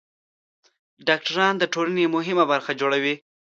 ډاکټران د ټولنې مهمه برخه جوړوي.